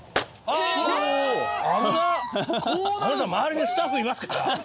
あなた周りにスタッフいますから！